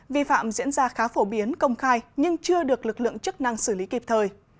vi phạm diễn ra khá phổ biến công khai nhưng chưa được lực lượng chức năng xử lý kịp thời